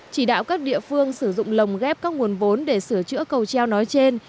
chỉ đạo các địa phương sử dụng lồng ghép các nguồn vốn để sửa chữa cầu treo nói trên